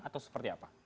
atau seperti apa